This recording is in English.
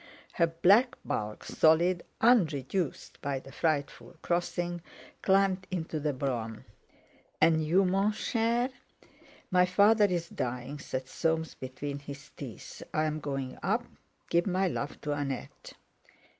Her black bulk, solid, unreduced by the frightful crossing, climbed into the brougham. "And you, mon cher?" "My father's dying," said Soames between his teeth. "I'm going up. Give my love to Annette."